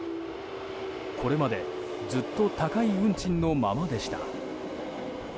これまでずっと高い運賃のままでした。